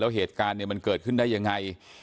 แล้วเหตุการณ์เนี่ยมันเกิดขึ้นได้ยังไง